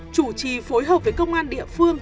chủ trì phối hợp với công an địa phương